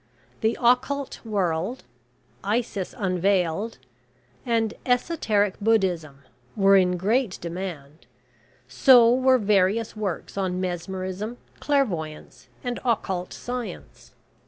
The "Occult World", "Isis Unveiled," and "Esoteric Buddhism" were in great demand; so were various works on Mesmerism, Clairvoyance, and Occult Science.